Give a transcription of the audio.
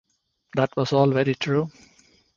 That was all very true.